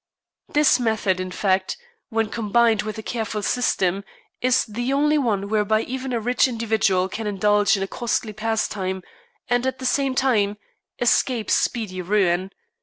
This method, in fact, when combined with a careful system, is the only one whereby even a rich individual can indulge in a costly pastime, and, at the same time, escape speedy ruin.